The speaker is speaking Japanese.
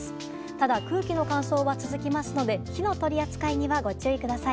ただ空気の乾燥が続きますので火の取り扱いにはご注意ください。